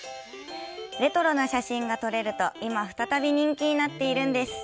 レトロな写真が撮れると今、再び人気になっているんです。